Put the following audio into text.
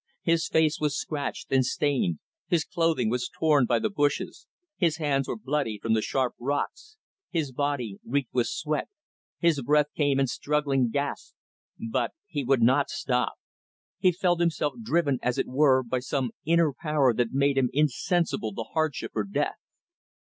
His face was scratched and stained; his clothing was torn by the bushes; his hands were bloody from the sharp rocks; his body reeked with sweat; his breath came in struggling gasps; but he would not stop. He felt himself driven, as it were, by some inner power that made him insensible to hardship or death.